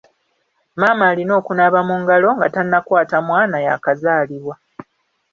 Maama alina okunaaba mu ngalo nga tannakwata mwana yakazaalibwa..